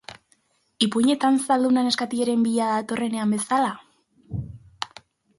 Ipuinetan zalduna neskatilaren bila datorrenean bezala?